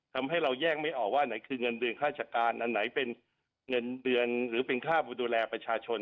ทำให้เราแยกไม่ออกว่าอันไหนคือเงินเดือนข้าราชการอันไหนเป็นเงินเดือนหรือเป็นค่าดูแลประชาชน